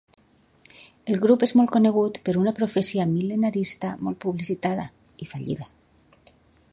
El grup és molt conegut per una profecia mil·lenarista molt publicitada, i fallida.